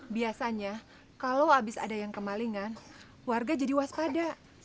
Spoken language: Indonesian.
biasanya kalau habis ada yang kemalingan warga jadi waspada